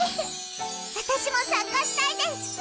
私も参加したいです。